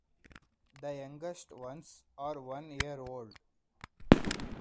The youngest ones are one year old.